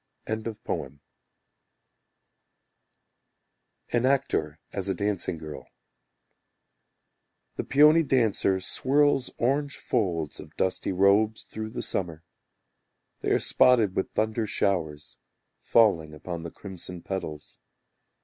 An Actor as a Dancing Girl The peony dancer Swirls orange folds of dusty robes Through the summer. They are spotted with thunder showers, Falling upon the crimson petals.